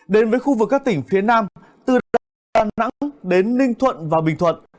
đến với khu vực các tỉnh phía nam từ đà nẵng đến ninh thuận và bình thuận